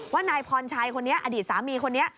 นายพรชัยคนนี้อดีตสามีคนนี้